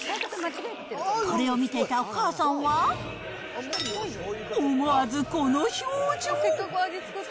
これを見ていたお母さんは、思わずこの表情。